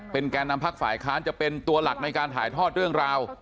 แก่นำพักฝ่ายค้านจะเป็นตัวหลักในการถ่ายทอดเรื่องราว